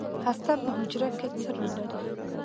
هسته په حجره کې څه رول لري؟